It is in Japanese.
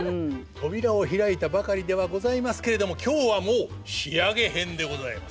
扉を開いたばかりではございますけれども今日はもう仕上げ編でございます。